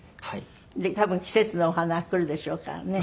多分季節のお花が来るでしょうからね。